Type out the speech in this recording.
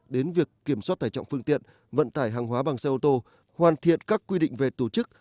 đến việc kiểm soát tải trọng phương tiện vận tải hàng hóa bằng xe ô tô hoàn thiện các quy định về tổ chức